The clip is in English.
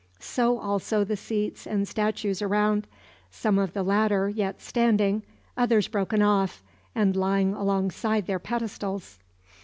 So also the seats and statues around, some of the latter yet standing, others broken off, and lying alongside their pedestals.